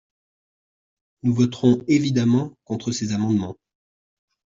Nous voterons évidemment contre ces amendements.